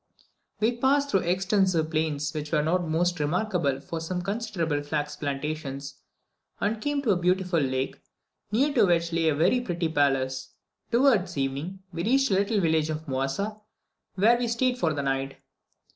We passed through extensive plains, which were most remarkable for some considerable flax plantations, and came to a beautiful lake, near to which lay a very pretty palace. Towards evening, we reached the little village of Moasa, where we stayed for the night.